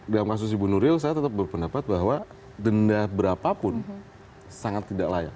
dalam kasus ibu nuril saya tetap berpendapat bahwa denda berapapun sangat tidak layak